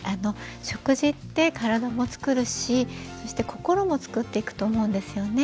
食事って体もつくるしそして心もつくっていくと思うんですよね。